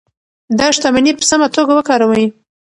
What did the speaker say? دا شتمني په سمه توګه وکاروئ.